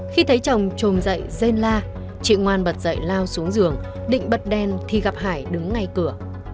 khi thấy chồng trồm dậy gen la chị ngoan bật dậy lao xuống giường định bật đen thì gặp hải đứng ngay cửa